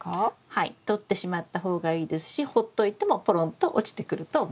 はい取ってしまった方がいいですしほっといてもポロンと落ちてくると思います。